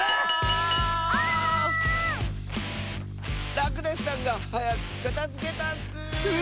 らくだしさんがはやくかたづけたッス！